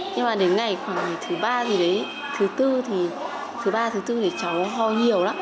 nhưng mà đến ngày khoảng thứ ba gì đấy thứ tư thì cháu ho nhiều lắm